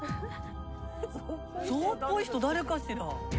象っぽい人誰かしら？